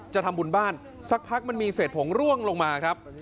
จะทำบุญบ้านสักพักมันมีเศษผงร่วงลงมาครับ